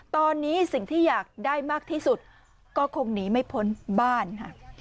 ตอนนี้สิ่งที่อยากได้มากที่สุดก็คงหนีไม่พ้นบ้านค่ะ